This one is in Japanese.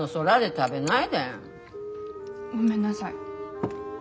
ごめんなさい。